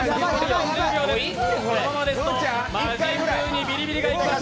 このままですと魔神ブウにビリビリがいきます。